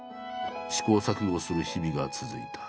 試行錯誤する日々が続いた。